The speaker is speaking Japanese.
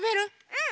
うん。